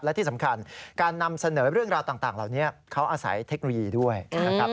และที่สำคัญการนำเสนอเรื่องราวต่างเหล่านี้เขาอาศัยเทคโนโลยีด้วยนะครับ